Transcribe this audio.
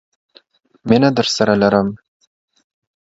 مينه درسره لرم.